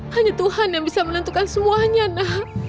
hanya tuhan yang bisa menentukan semuanya nak